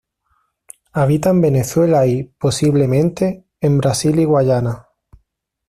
Habita en Venezuela y, posiblemente, en Brasil y Guayana.